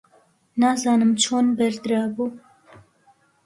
نازانم چۆن بەردرابوو.